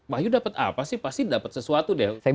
wahyu dapat apa sih pasti dapat sesuatu deh